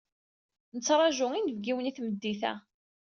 Nettṛaju inebgiwen i tmeddit-a.